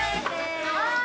はい！